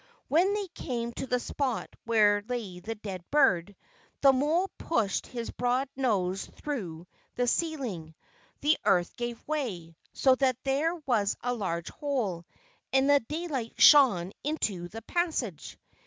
When they came to the spot where lay the dead bird, the mole pushed his broad nose through the ceiling, the earth gave way, so that there was a large hole, and the daylight shone into the passage.